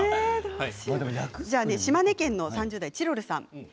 島根県３０代の方からです。